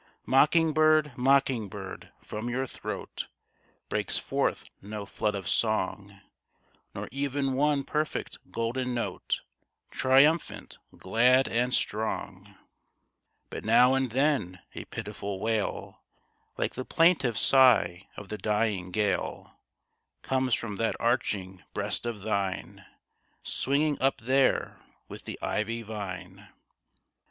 Mocking bird ! mocking bird ! from your throat Breaks forth no flood of song, Nor even one perfect golden note, Triumphant, glad, and strong ! But now and then a pitiful wail, Like the plaintive sigh of the dying gale, Comes from that arching breast of thine Swinging up there with the ivy vine.